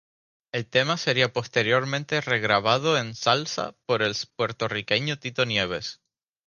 El tema sería posteriormente regrabado en Salsa por el puertorriqueño Tito Nieves.